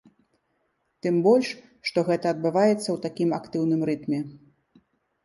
Тым больш, што гэта адбываецца ў такім актыўным рытме.